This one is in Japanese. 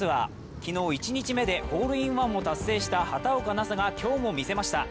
昨日、１日目でホールインワンを達成した畑岡奈紗が今日も見せました。